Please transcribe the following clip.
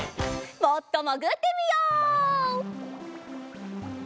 もっともぐってみよう！